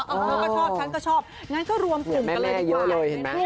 เออก็ชอบฉันก็ชอบงั้นก็รวมกลุ่มกันเลยดีกว่า